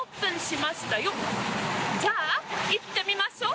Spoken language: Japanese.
じゃあ行ってみましょう。